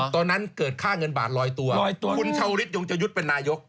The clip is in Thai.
ตอนนั้นเกิดค่าเงินบาทลอยตัวคุณชาวฤทธยงจะยุทธ์เป็นนายก